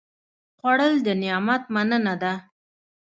خوړل د نعمت مننه ده